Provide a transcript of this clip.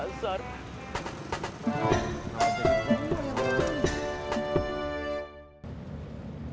loh kaget tau